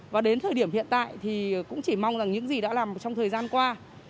và đến thời điểm hiện tại thì cũng chỉ mong rằng những gì đã làm trong thời gian qua